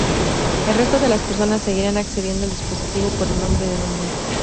El resto de las personas seguirán accediendo al dispositivo por el nombre de dominio.